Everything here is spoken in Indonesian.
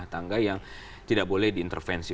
tangga yang tidak boleh diintervensi